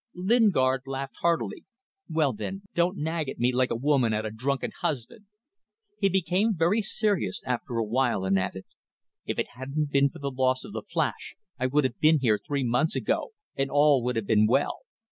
Lingard laughed heartily. "Well then, don't nag at me like a woman at a drunken husband!" He became very serious after awhile, and added, "If it hadn't been for the loss of the Flash I would have been here three months ago, and all would have been well.